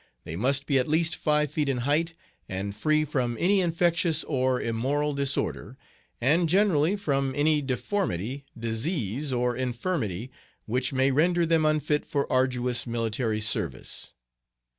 They must be at least five feet in height, and free from any infectious or immoral disorder, and, generally, from any deformity, disease, or infirmity which may render them unfit for arduous military service.